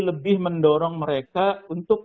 lebih mendorong mereka untuk